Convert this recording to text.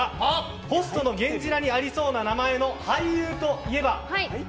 ホストの源氏名にありそうな名前の俳優といえば？